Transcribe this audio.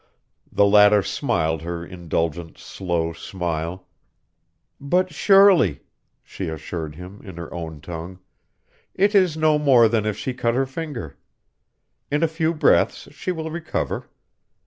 The latter smiled her indulgent, slow smile. "But surely," she assured him in her own tongue, "it is no more than if she cut her finger. In a few breaths she will recover.